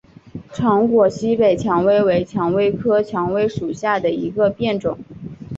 长果西北蔷薇为蔷薇科蔷薇属下的一个变种。